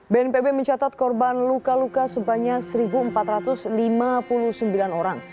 bnpb mencatat korban luka luka sebanyak satu empat ratus lima puluh sembilan orang